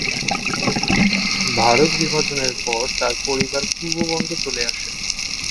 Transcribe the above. ভারত বিভাজনের পর তার পরিবার পূর্ববঙ্গে চলে আসে।